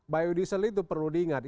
biodiesel itu perlu diingat